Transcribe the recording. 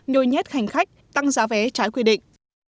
nôi nhét hành khách tăng giá vé trái quy định